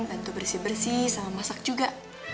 bantu bersih bersih sama masak juga